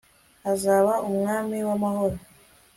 azaba umwami w'amahoro